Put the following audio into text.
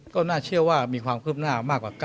ก็น่าเชื่อว่ามีความคืบหน้ามากกว่า